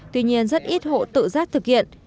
tuy nhiên rất ít hộ tự giác thực hiện